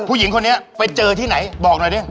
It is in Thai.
ผู้หญิงคนนี้ไปเจอที่ไหนบอกหน่อยดิ